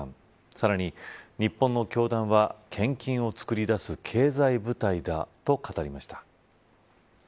さらに日本の教団は献金を作り出す経済部隊だ、と語りました。